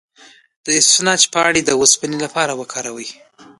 د اسفناج پاڼې د اوسپنې لپاره وکاروئ